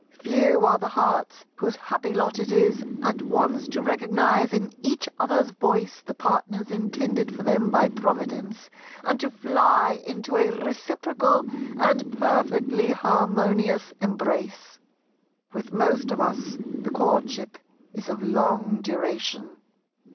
Few are the hearts whose happy lot is at once to recognize in each other's voice the partner intended for them by Providence, and to fly into a reciprocal and perfectly harmonious embrace. With most of us the courtship is of long duration.